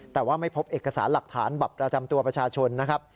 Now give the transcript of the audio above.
แต่ว่าไม่พบเอกสารหลักฐานบัตรประจำตัวประชาชนนะครับ